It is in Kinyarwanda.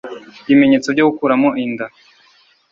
ibimenyetso byo gukuramo inda